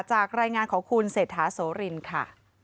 จากรายงานของคุณเสธาโศลินค่ะ